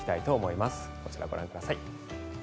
こちら、ご覧ください。